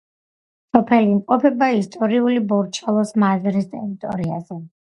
სოფელი იმყოფება ისტორიული ბორჩალოს მაზრის ტერიტორიაზე.